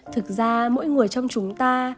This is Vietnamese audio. thực ra mỗi người trong chúng ta